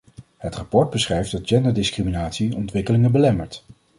Het rapport beschrijft dat genderdiscriminatie ontwikkelingen belemmert.